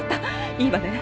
いいわね？